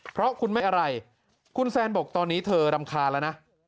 เพราะคุณไม่อะไรคุณแซนบอกตอนนี้เธอรำคาญแล้วนะ